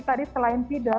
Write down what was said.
tadi selain feeder